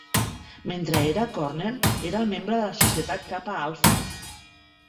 Mentre era a Cornell, era el membre de la Societat Kappa Alpha.